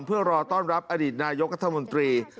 เพื่อรอต้อนรับอดีตนายกรัฐมนตรี